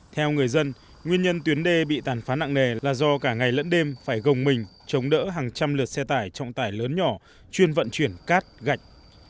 theo người dân nguyên nhân tuyến đê bị tàn phá nặng nề là do cả ngày lẫn đêm phải gồng mình chống đỡ hàng trăm lượt xe tải trọng tải lớn nhỏ chuyên vận chuyển cát gạch